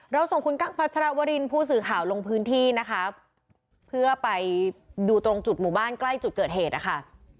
ส่งคุณกั้งพัชรวรินผู้สื่อข่าวลงพื้นที่นะคะเพื่อไปดูตรงจุดหมู่บ้านใกล้จุดเกิดเหตุนะคะ